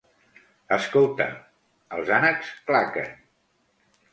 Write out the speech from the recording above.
Escolta! Els ànecs claquen!